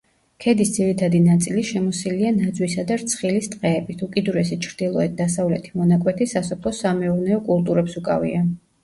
ქედის ძირითადი ნაწილი შემოსილია ნაძვისა და რცხილის ტყეებით, უკიდურესი ჩრდილოეთ-დასავლეთი მონაკვეთი სასოფლო-სამეურნეო კულტურებს უკავია.